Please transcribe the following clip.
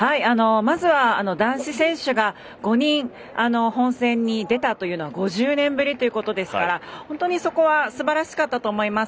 まずは、男子選手が５人本戦に出たというのが５０年ぶりということですから本当に、そこはすばらしかったと思います。